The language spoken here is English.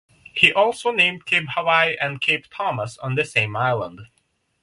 He also named Cape Hawaii and Cape Thomas on the same island.